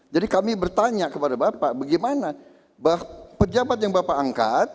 jadi kami bertanya kepada bapak bagaimana pejabat yang bapak angkat